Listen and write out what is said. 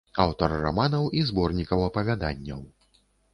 Аўтар раманаў і зборнікаў апавяданняў.